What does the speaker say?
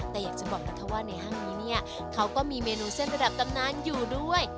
แต่อยากจะบอกนะคะว่าในห้างนี้เนี่ยเขาก็มีเมนูเส้นระดับตำนานอยู่ด้วย